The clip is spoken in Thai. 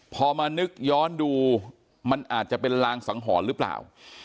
พอมานึกย้อนดูมันอาจจะเป็นรางสังหรณ์หรือเปล่า